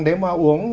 nếu mà uống